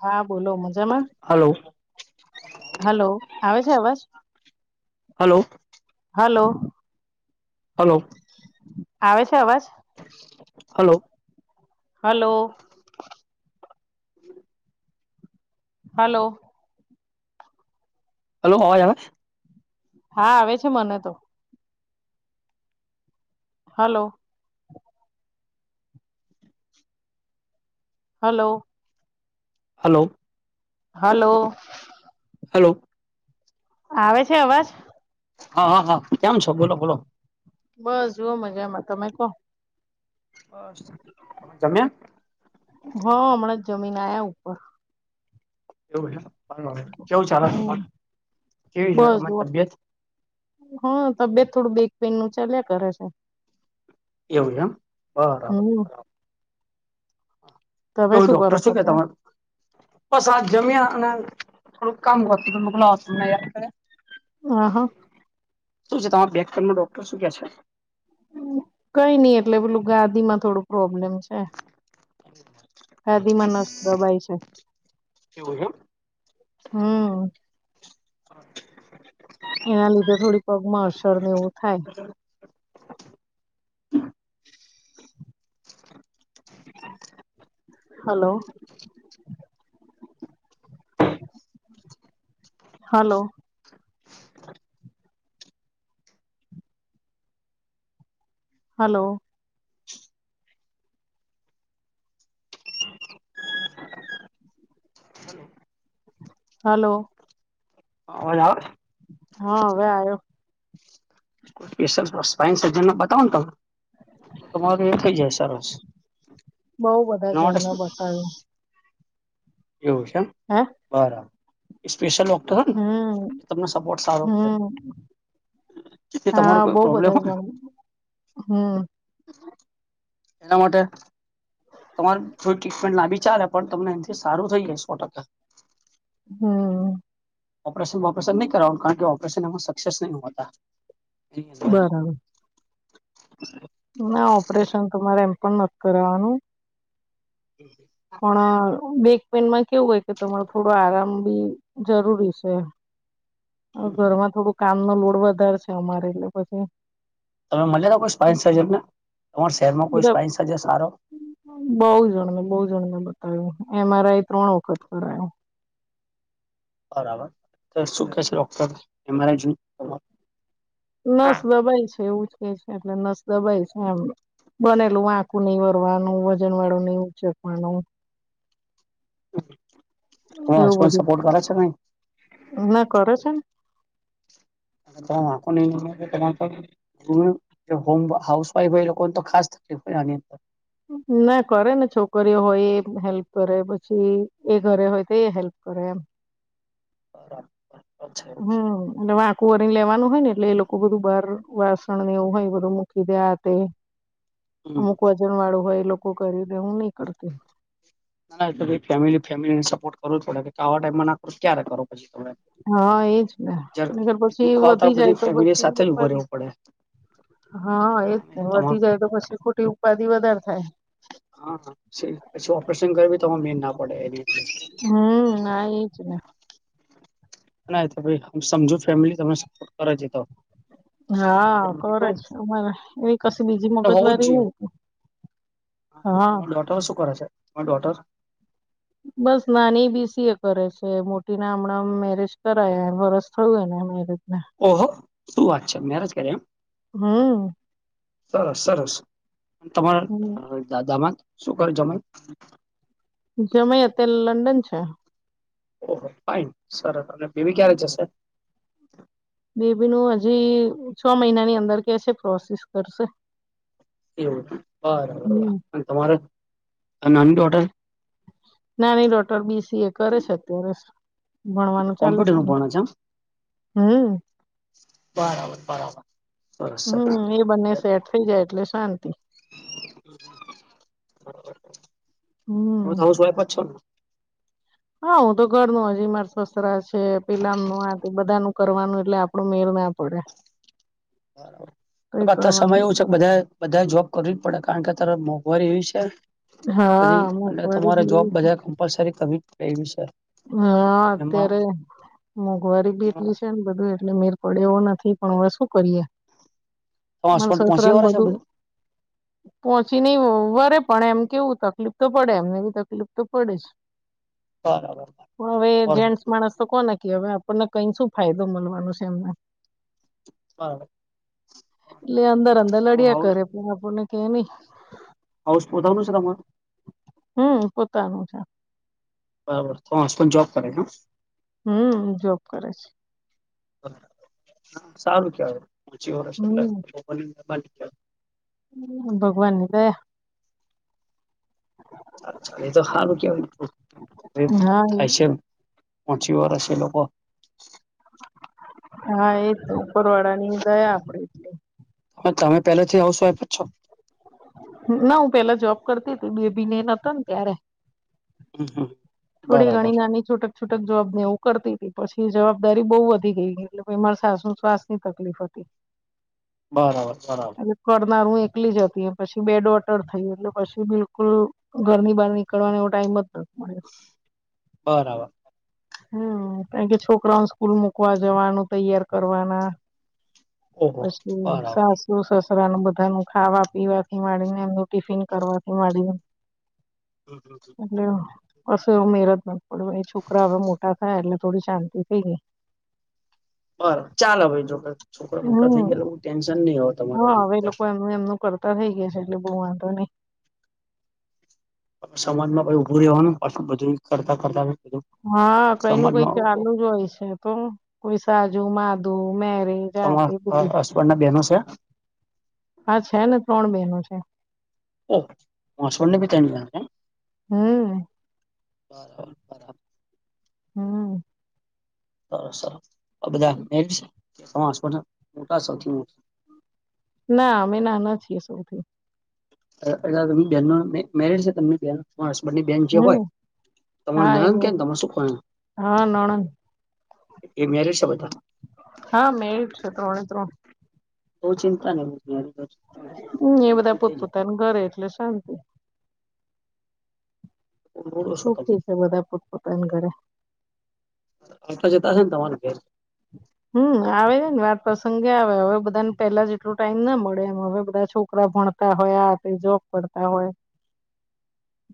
હા બોલો મજામાં હલો. હલો આવે છે અવાજ હલો હલો હલો આવે છે અવાજ? હલો હાલો હલો હલ્લો, અવાજ આવે? હા, આવે છે મને તો. Hello hello hello hello hello આવે છે અવાજ? હા હા હા, કેમ છો? બોલો બોલો. બસ જોઓ મજામાં, તમે કો. બસ. તમે જમ્યા? હો, હમણાંજ જમીન આયા ઉપર. એવું છે, ચાલો કેવું ચાલે હમ તમારે, કેવી છે બસ તમારી જુઓ તબિયત? હા, તબિયત થોડું બેક પેઇન નું ચાલ્યા કરે છે એવું એમ, બરાબર. હમ બરાબર. તમે કેવું શું કરો ડોક્ટર શુ છો છે કે ત્યાં તમારુ? બસ આ જમ્યા, અને થોડુંક કામ કરતી, મેં કીધું લા આસી ને યાદ કરે આ હા શુ છે, તમારા બેક પેઇનનું ડોક્ટર શું કે છે? કઈ નઈ એટલે પેલું ગાદી માં થોડું પ્રોબ્લેમ છે. હે, ગાદીમાં નસ દબાય છે. છે એવું એમ હમ્મ એના લીધે થોડી પગ માં અસર ને એવું થાય. હલો [inaudible] હાલો હલો હલો અવાજ આવે? હા, હવે આયો. કોઈ સ્પેશિયલ સ્પાઈન સર્જન ને બતાવોને તમે. તમારે એ થઇ જાય સરસ. બઉ બધા એના માટે જણને શું બતાયુ. એવું છે એમ. હે. બરાબર, એ સ્પેશિયલ ડોક્ટર હો ને, હમ એ તમને સપોર્ટ સારો કરે હમ જેથી તમારો હા, કોઈ બોઉ પ્રોબ્લેમ બધા હોય જણને, હમ્મ એના માટે તમારે થોડી ટ્રીટમેન્ટ લાબી ચાલે પણ તમને એનાથી સારું થઈ જાય સો ટકા. હા. ઓપરેશન બોપરેશન ની કરાવ કારણ કે ઓપરેશન એમાં સક્સેસ નહી હોતા. એની અંદર બરાબર. ના ઓપરેશન તો મારે એમ પણ નથ કરવવાનું. [inaudible] પણ બેક પેનમાં કેવું હોય કે તમારે થોડો આરામ બી જરૂરી છે. ઘરમાં થોડું કામ નો લોડ વધારે છે અમારે એટલે પછી તમે મળ્યા હતા કોઈ સ્પાઈન સર્જર ને તમારા શહેરમાં કોઈ સ્પાઈન સર્જર સારો બઉ જણ બહુ જણને બતાવ્યું એમ આરઆઈ ત્રણ વખત કરાયું. બરાબર શું કે છે ડોક્ટર એમ એમ આર આઈ [inaudible] નસ દબાય છે એવું જ કે છે એટલે નસ દબાય છે એમ. બનેલું વાંકુ ની વળવાનું વજન વાળું નહીં ઉચકવાનું [inaudible] તમારા એવું હસબન્ડ બધું સપોર્ટ કરે છે ના કરે છે ને [unintelligible] હોમ હાઉસ વાઈફ હોય લોકોને તો ખાસ થતી હોય આની અંદર ના કરે ને છોકરીઓ હોય એ હેલ્પ કરે પછી એ ઘરે હોય તો એ હેલ્પ કરે એમ. બરાબર અચ્છા હમ્મ અને [inaudible] કોરી લેવાનું હોય ને એટલે એ લોકો બધું બાર વાસણ ને એવું હોય બધું મૂકી દેય આ તે હમ અમુક વજન વાળું હોય એ લોકો કરી દે હું નહી કરતી. ફેમિલી ફેમિલીને સપોર્ટ કરવોજ પડે આવા ટાઈમમાં ના કરો તો પછી ક્યારે કરો પછી તમે હા એજ ને જયારે નેતા પછી દુઃખ આવે ત્યારે વધી જાય બધી તો ફેમિલી પછી એ સાથે જ ઉભો ઉપાધી રહેવું પડે હા એજ તમાર વધી જાય તો પછી ખોટી ઉપાધિ વધારે થાય. હા પછી ઓપરેશન કરવી તો મેળ ના પડે એનીં અંદર. હમ્મ ના એજને ના સમજો ફેમિલી તમને સપોર્ટ કરે છે તો હા કર છે અમારે એવી કશી બીજી મગજમારી ની હા તમારી ડોટર શું કરે છે તમારી ડોટર બસ નાની બીસી એ કરે છે મોટી ના હમણાં મેરેજ કરાયા વરસ થયું એને મેરેજ ને ઓહો શું વાત છે મેરેજ કર્યા એમ હમ સરસ સરસ તમારા દામાડ શું કરે જમાય જમાય અત્યારે લંડન છે. ઓહો ફાઈન સરસ અને બેબી ક્યારે જશે. બેબી નું હજી છ મહિનાની અંદર કે છે પ્રોસેસ કરશે. એવું હમ બરાબર તમારે નાની ડોટર નાની ડોટર બીસી એ કરે છે ફોરેસ્ટ ભણવાનું ચાલે કોમ્પ્યુટર છે નું ને ભણે એમ હમ્મ. બરાબર બરાબર સરસ સરસ હમ્મ એ બંને સેટ થઈ જાય એટલે શાંતિ [inaudible] હમ્મ. તમે તો હાઉસ વાઈફ જ છો હા હું તો ઘર નું હજી માર તો સસરા છે પિલામ નૂ આ બધા નું કરવાનું એટલે આપડું મેર ના પડે. બરાબર કઈ તો અત્યાર સમય કરવાનું એવું છે બધા બધાએ જોબ કરવી જ પડે કારણ કે અતારે મોંઘવારી એવી છે. હા પછી અને મોંઘવારી તમારે બી જોબ એવી બધા કમ્પલસરી કરવી પડે એવી છે. હા એમાં અત્યારે મોંઘવારી બી એટલી છે, ને બધું એટલે મેર પડે એવો નથી પણ હવે શું કરીએ તમારા મારા હસબન્ડ સસરા પહોંચી ને વળે છે બધું પહોંચી નહીં વરે પણ એમ કેવું તકલીફ તો પડે એમને એવી તકલીફ તો પડે જ બરાબર. પણ હવે બરાબર જેન્ટસ માણસ તો કેવાય આપણને કઈ શું ફાયદો મળવાનો છે, એમને બરાબર એટલે અંદર અંદર લડ્યા હાઉસ કરે કે આપણને કે ની હાઉશ પોતાનું છે, તમારે હમ પોતાનું છે. બરાબર તમાર હસબડ જોબ કરે [unintelligible] હમ જોબ કરે છે. સારું કેવાય પચ્ચી વરસ એટલે હમ [inaudible] હમ ભગવાનની દયા અચ્છા એ તો હારુ કેવાય [unintelligible] હા એ થાય છે, મ પોહચી વરસ એ લોકો હા એ તો ઉપરવાળા ની દયા આપડે એટલે હ તમે પહેલાથી હાઉસ વાઈફ જ છો? ના હું પહેલા જોબ કરતીતી બેબી ને ન હતો ને ત્યારે હમ હમ થોડી બરાબર ઘણી નાની છુટક છૂટક જોબ ને એવું કરતીતી પછી જવાબદારી બો વધી ગઈ એટલે એ મારે સાસું ને શ્વાસની તકલીફ હતી. [inaudible] બરાબર બરાબર એટલે કરનાર હું એકલી જ હતી પછી બે ડોટર થયી એટલે પછી બિલકુલ ઘરની બહાર નીકળવાનો એવો ટાઈમ જ નથ મળ્યો. બરાબર. હમ કારણ કે છોકરાઓને સ્કૂલ મુકવા જવાનું તૈયાર કરવાના ઓહો પછી બરાબર સાસ સુ સસરાનું બધાનુ ખાવા પીવાથી માંડીને એમનું ટિફિન કરવાથી માંડીને હમ હમ. દેવ કસો [unintelligible] પડ્યો એ છો કરા હવે મોટા થયા એટલે થોડી શાંતિ થઈ ગઈ બરા ચાલો ભાઈ જો છોકરો ભણતા થઈ હમ ગય ટેન્શન નહી હો તમારે હા હવે એ [unintelligible] લોકો એમનું કરતા થઇ ગયા છે, એટલે બો વાંધો નહી સમાજમાં કોઈ ઉભું રહેવાનું પાછ બધું કરતા કરતા [unintelligible] હા કઈ નુ કઈ સમાજમાં ચાલુ જ હોય છે, તો કોઈ સાજુ, માધું મેરી તમા હ હસબન્ડના બેનો છે? હા છે, ને ત્રણ બહેનો છે. ઓહ હસબડને ભી ત્રણ [unintelligible] એમ? હમ. બરાબર. બરાબર હમ્મ. તો સરસ આ બધા મેપ મોટા સૌથી. ના અમે નાના છીએ સૌથી. એલા એલા એની બેન નો મેરેજ હે તમને ત્યાં. તમારા હસબન્ડ ની બેન જે હોય હમ તમાર હા એ નણંદ કે તમાર શું કો. હા નણંદ એ મેરીડ છે બધા? હા મેરીડ છે ત્રણે ત્રણ. બો ચિંતા નહી હોતીબર. હમ્મ એ બધા પોતપોતાનું ઘરે એટલે શાંતિ. સુખી છે બધા પોતપોતાની ઘરેે. આતા જતા છે ને તમારે ઘેર. હમ્મ આવે ને વાત પ્રસંગે આવે હવે બધાને પેલા જેટલો ટાઈમ ના મળે એમ હવે બધા છોક પ્રો ભણતા હોય આ જબ કરતા હોય. [inaudible]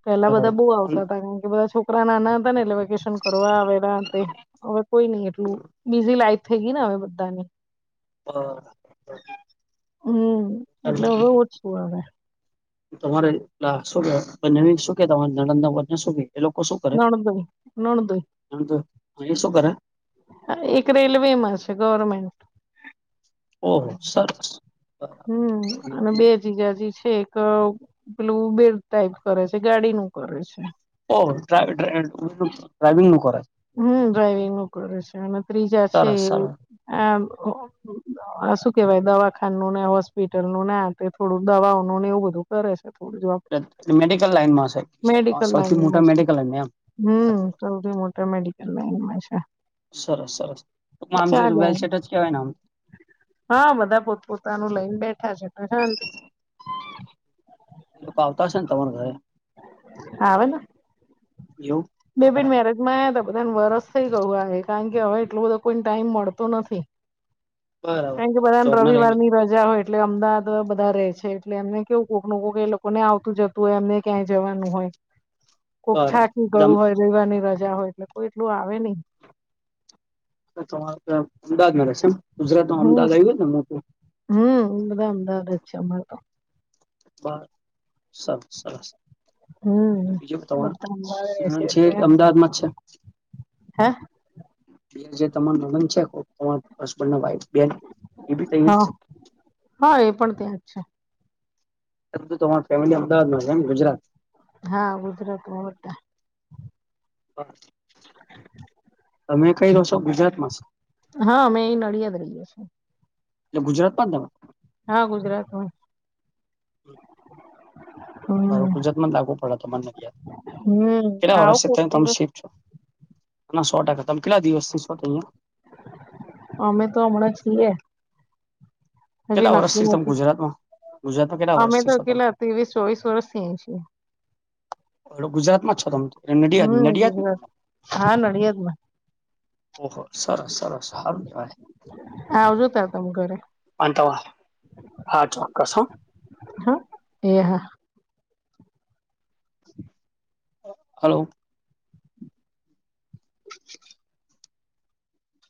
પેલા બધા બરાબર. બઉ આવતા હતા કારણ કે બધા છોકરા નાના ને એટલે વેકેશન કરવા આવેલા તે હવે કોઈ નઈ એટલું બીઝી લાઈફ થઈ ગઈ ને હવે બધા ને. હમ્મ એટલે અવે ઓછું આવે. તમારે ના શું કેવાય બને શું કે તમા નણંદ ના વરને શું કે એ લોકો શું કરે? નણદોઈ નણદોઈ એમ તો અહી શું કરે? હા એક રેલવેમાં છે ગવર્મેન્ટ ઓહો સરસ. હમ્મ અને બે જીજાજી છે એક પેલું બેડ ટાઈપ કરે છે ગાડી નું કરે છે. ઓ ડ્રા ડ્રા ડ્રાઈવિંગનું કરે. હમ્મ ડ્રાઈવિંગ નું કરે છે અને ત્રીજા છે સરસ એ સરસ આ ઓ [inaudible] હ શું કેવાય દવાખાનનું ને હોસ્પિટલનું ને થોડું દવાઓ ન ને એવું બધું કરે છે. એ થોડું જો મેડિકલ લાઈનમાં છે મેડિકલ સૌથી લાઈનમાં મોટા છે મેડિકલ લાઈનમાં એમ હમ્મ. બરાબર. સૌથી મોટા મેડિકલ લાઈનમાં છે. સરસ સરસ તો આમ જોઈ તો ચાલે વેલ્સેટ જ કેહેવાય ને આમ. હા બધા પોતપોતાનું લઈને બેઠા છે તો શાંતિ છે. લોકો આવતા હશે ને તમારા ઘરે? આવેને. એવું. બે બીન બરાબર મેરેજમાં આયા હતા બધાને વરસ થઇ ગયું કારણ કે હવે એટલો બધો કોઈને ટાઈમ મળતો નથી. કેમ કે બરાબર બધા ને જોબને રવિવાર લઈને ની રજા હોય. એટલે અમદાવાદ બધા રહે છે એટલે એમને કેવું કોકનું કો એ લોકોને આવતું જતું હોય એમને ક્યાંય જવાનું હોય. [inaudible] કોક થાકી ગયું હોય રેવાની રજા હોય એટલે કોઈ એટલું આવે નઈ. [unintelligible] ગુજરાતમાં અમદવાદ આયવુ ને મોટું. હમ્મ બધા અમદાવાદ છે અમારે તો. પણ સર સરસ. હમ બીજું તમારૂ બધા અમદાવાદ રહે નણંદ જે અમદાવાદ માં છે? હા. જે તમારે નણંદ છે [unintelligible] હસબન્ડના વાઈફ બેન. એ બી હ તહીં જ છે? હા એ પણ ત્યાં જ છે. પરંતુ તમારી ફેમિલી અમદાવાદમાં રહે એમ? ગુજરાત! હા. ગુજરાતમાં બધા. [unintelligible] તમે કઈ રહો છો ગુજરાતમાં જ? હા અમેં અહી નડિયાદમાં રહી્એ છીએ. એટલે ગુજરાતમાં તમે હા ગુજરાતમાં. [inaudible] બરોબર્ હમ ગુજરાતમાં જ લાગુ તમને. હમ કેટલા આવો વરસથી કોક ત્યાં તમે દિવસ શીફ્ટ છો? ના સો ટકા. તમે કેટલા દિવસ થી સો [unintelligible] અહીંયા? અમે તો હમણાં છીએ. હજી કેટલા નક્કી વર્ષથી તમે નથી. ગુજરાતમાં ગુજરાતમાં કેટલા અમે વર્ષથી તો છો કેલા તેવીસ, ચોવીસ, વર્ષથી છીએ. હલો, ગુજરાતમાં જ છો તમે તો હમ ગુજરાત, હા નડિયાદમાં. ઓહ! સરસ સરસ હારું કેવાય! આવજો તાર તમ ઘરે અંતે હા, ચોક્કસ હ. હ એ હા. [inaudible] હલો. [inaudible]